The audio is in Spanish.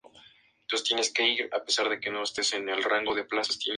Tiene numerosos estambres, todos unidos a una columna central.